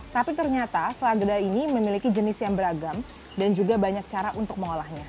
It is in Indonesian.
tapi ternyata sela gede ini memiliki jenis yang beragam dan juga banyak cara untuk mengolahnya